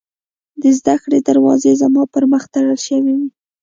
د زدکړې دروازې زما پر مخ تړل شوې وې